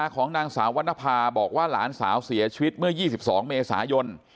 ของนางสาววรรณภาบอกว่าหลานสาวเสียชีวิตเมื่อ๒๒เมษายน